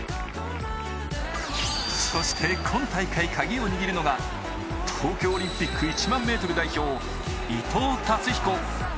そして、今大会カギを握るのが東京オリンピック１００００ｍ代表、伊藤達彦。